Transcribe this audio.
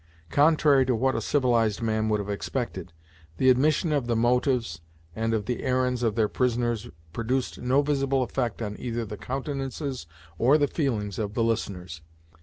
Contrary to what a civilized man would have expected, the admission of the motives and of the errands of their prisoners produced no visible effect on either the countenances or the feelings of the listeners.